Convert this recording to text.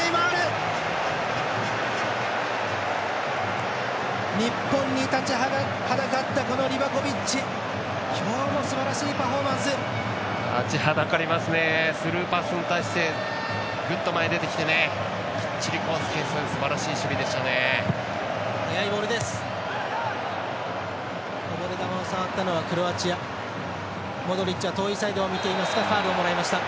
計算すばらしい守備でしたね。